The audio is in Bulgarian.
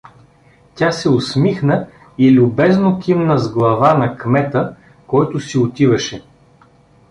Тя се усмихна и любезно кимна с глава на кмета, който си отиваше.